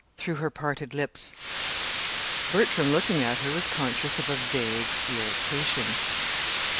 through her parted lips. Bertram, looking at her, was conscious of a vague irritation.